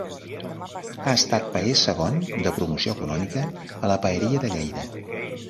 Ha estat paer segon de Promoció Econòmica a la Paeria de Lleida.